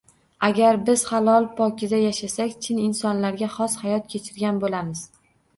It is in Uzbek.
Agar biz halol-pokiza yashasak, chin insonlarga xos hayot kechirgan bo‘lamiz.